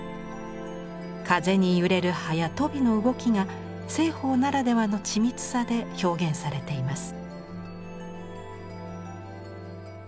風に揺れる葉や鳶の動きが栖鳳ならではの緻密さで表現されています。